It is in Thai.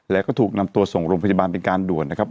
แล้วก็ถูกนำตัวส่งโรงพยาบาลเป็นการด่วนนะครับ